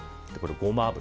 ゴマ油。